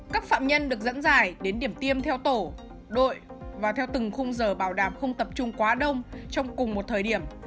các phạm nhân được dẫn dài đến điểm tiêm theo tổ đội và theo từng khung giờ bảo đảm không tập trung quá đông trong cùng một thời điểm